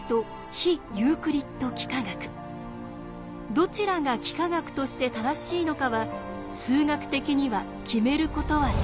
どちらが幾何学として正しいのかは数学的には決めることはできない。